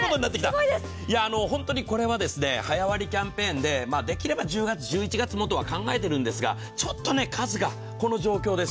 本当にこれは早割キャンペーンでできれば１０月１１月もと考えているんですがちょっと数が、この状況です。